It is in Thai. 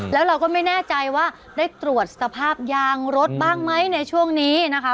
แล้วเราก็ไม่แน่ใจว่าได้ตรวจสภาพยางรถบ้างไหมในช่วงนี้นะคะ